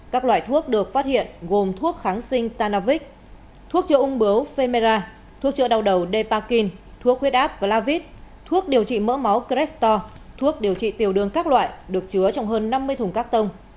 các loại thuốc được phát hiện gồm thuốc kháng sinh tanavik thuốc chữa ung bướu femera thuốc chữa đầu đầu depakin thuốc huyết áp blavit thuốc điều trị mỡ máu crestor thuốc điều trị tiều đường các loại được chứa trong hơn năm mươi thùng các tông